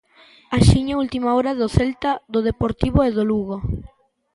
Axiña a última hora do Celta, do Deportivo e do Lugo.